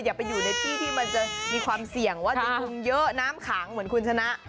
อย่าไปอยู่ในที่ที่มันจะมีความเสี่ยงว่าจะคุมเยอะน้ำขังเหมือนคุณชนะ